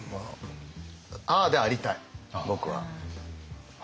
ああでありたい僕は。